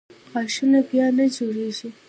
غاښونه بیا نه جوړېږي.